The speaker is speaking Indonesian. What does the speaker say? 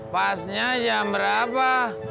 pasnya jam berapa